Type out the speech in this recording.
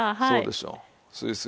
そうでしょう。